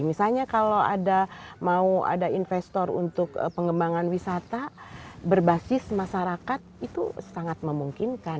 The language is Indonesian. misalnya kalau ada mau ada investor untuk pengembangan wisata berbasis masyarakat itu sangat memungkinkan